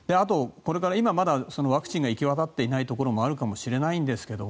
まだワクチンが行き渡っていないところもあるかもしれないけど